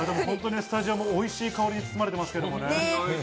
スタジオもおいしい香りに包まれています。